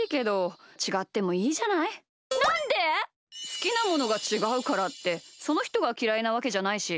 すきなものがちがうからってそのひとがきらいなわけじゃないし。